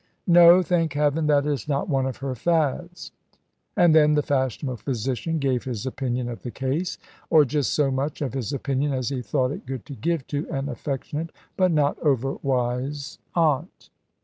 "No, thank Heaven, that is not one of her fads." And then the fashionable physician gave his opinion of the case, or just so much of his opinion as he thought it good to give to an affectionate but not over wise aunt.